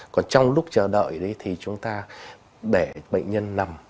còn trong lúc chờ đợi đấy thì chúng ta để bệnh nhân nằm